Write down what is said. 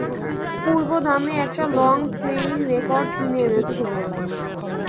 পূর্ব দামের একটা long playing record কিনে এনেছিলেন।